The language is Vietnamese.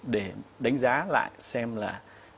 để đánh giá lại xem là